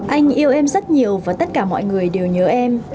anh yêu em rất nhiều và tất cả mọi người đều nhớ em